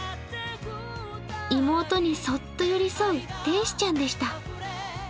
妹にそっと寄り添う天使ちゃんでした。